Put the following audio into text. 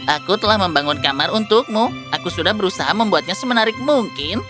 aku telah membangun kamar untukmu aku sudah berusaha membuatnya semenarik mungkin